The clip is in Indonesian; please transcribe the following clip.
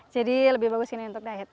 jadi lebih bagus ini untuk diet